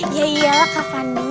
ya iyalah kak fandi